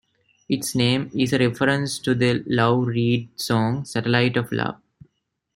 Its name is a reference to the Lou Reed song, "Satellite of Love".